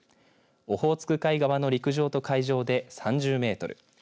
オホーツク海側の陸上と海上で３０メートル。